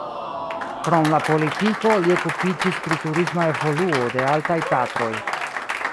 Krom la politiko li okupiĝis pri turisma evoluo de Altaj Tatroj.